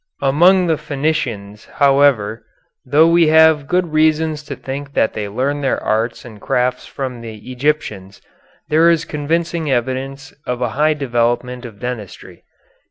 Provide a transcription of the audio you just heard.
Among the Phenicians however, though we have good reasons to think that they learned their arts and crafts from the Egyptians, there is convincing evidence of a high development of dentistry.